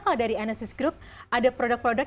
kalau dari enesis group ada produk produk